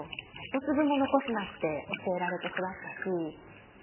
一粒も残すなって教えられて育ったし。